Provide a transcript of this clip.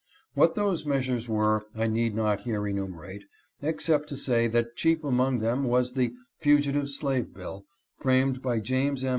What those measures were I need not here enumerate, except to say that chief among them was the Fugitive Slave Bill, framed by James M.